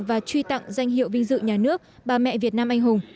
và truy tặng danh hiệu vinh dự nhà nước bà mẹ việt nam anh hùng